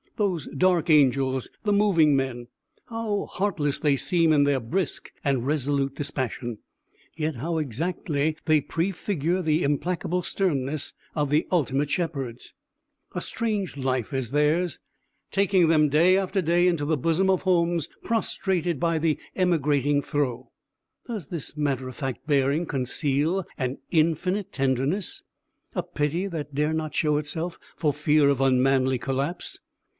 Those dark angels, the moving men, how heartless they seem in their brisk and resolute dispassion yet how exactly they prefigure the implacable sternness of the ultimate shepherds. A strange life is theirs, taking them day after day into the bosom of homes prostrated by the emigrating throe. Does this matter of fact bearing conceal an infinite tenderness, a pity that dare not show itself for fear of unmanly collapse?